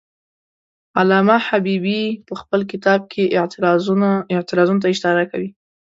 علامه حبیبي په خپل کتاب کې اعتراضونو ته اشاره کوي.